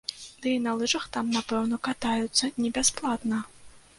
Ды і на лыжах там, напэўна, катаюцца не бясплатна!